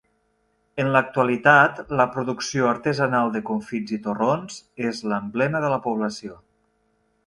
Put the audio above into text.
En l'actualitat, la producció artesanal de confits i torrons és l'emblema de la població.